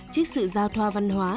trước sự giao thoa văn hóa